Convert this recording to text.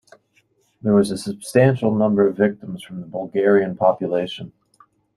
There was a substantial number of victims from the Bulgarian population.